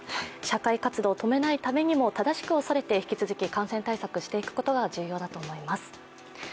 社会活動を止めないためにも正しく恐れて引き続き感染対策していくことが重要だと思います。